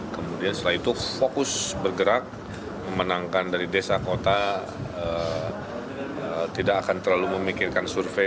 kemudian setelah itu fokus bergerak memenangkan dari desa kota tidak akan terlalu memikirkan survei